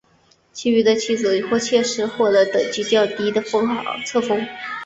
其余的妻子或妾室获得等级较低的册封。